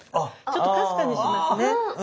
ちょっとかすかにしますね。